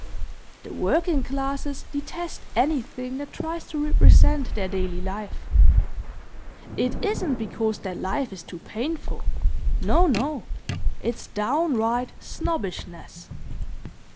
The working classes detest anything that tries to represent their daily life. It isn't because that life is too painful; no, no; it's downright snobbishness.